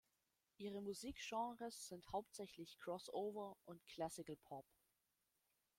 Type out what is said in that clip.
Ihre Musikgenres sind hauptsächlich Crossover und Classical Pop.